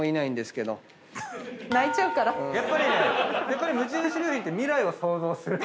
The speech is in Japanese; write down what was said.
やっぱり無印良品って未来を想像する。